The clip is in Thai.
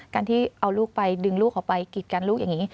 การที่เอาลูกไปดึงลูกเขาไปกิดกันลูกอย่างนี้